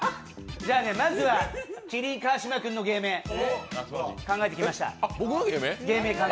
まずは麒麟・川島君の芸名、考えてきました。